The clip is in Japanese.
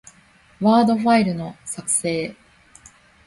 ワードファイルの、作成